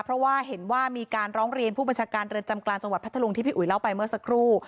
เพราะว่าเห็นว่ามีการร้องเรียนผู้บัญชาการเรือนจำกลางจังหวัดพัทธลุงที่พี่อุ๋ยเล่าไปเมื่อสักครู่